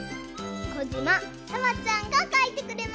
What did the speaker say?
こじまさわちゃんがかいてくれました。